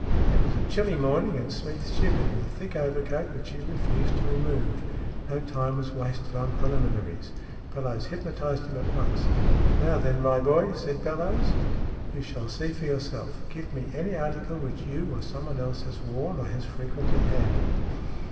It was a chilly morning, and Smeath shivered in a thick overcoat, which he refused to remove. No time was wasted on preliminaries. Bellowes hypnotized him at once. " Now then, my boy," said Bellowes. " You shall see for yourself. Give me any article which you or someone else has worn, or has frequently handled."